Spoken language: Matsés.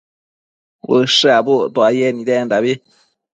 ushË abuctuaye nidendabi